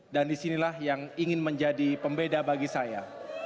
dan disinilah yang ingin menjadi pembeda bagi saya